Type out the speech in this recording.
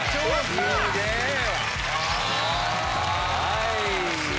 はい。